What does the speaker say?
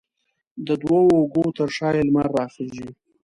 د دوو اوږو تر شا یې لمر راخیژي